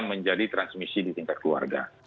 menjadi transmisi di tingkat keluarga